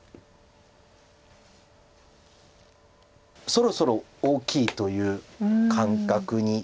そろそろ大きいという感覚に。